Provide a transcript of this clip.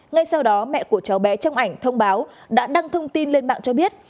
ngay sau đó mẹ của cháu bé trong ảnh thông báo đã đăng thông tin lên mạng cho biết